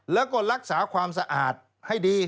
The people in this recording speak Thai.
แล้วก็รักษาความสะอาดให้ดี